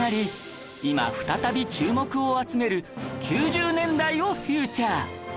今再び注目を集める９０年代をフィーチャー